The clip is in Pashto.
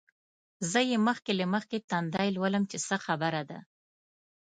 زه یې مخکې له مخکې تندی لولم چې څه خبره ده.